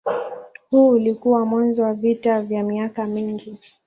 Huu ulikuwa mwanzo wa vita vya miaka mingi.